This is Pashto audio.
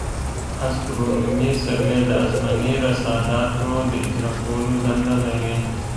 استرونومي سروې د اسماني رصاداتو د اجرا کولو دنده لري